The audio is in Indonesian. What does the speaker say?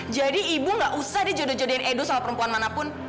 jadi ibu gak usah dia jodoh jodohin edo sama perempuan manapun